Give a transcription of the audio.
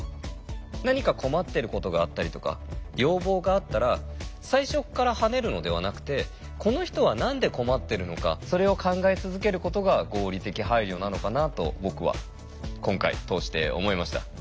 何か困ってることがあったりとか要望があったら最初っからはねるのではなくてこの人は何で困ってるのかそれを考え続けることが合理的配慮なのかなと僕は今回通して思いました。